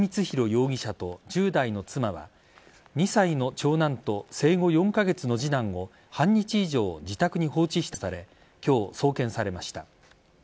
容疑者と１０代の妻は２歳の長男と生後４カ月の次男を半日以上自宅に放置した疑いで逮捕され今日、送検されました。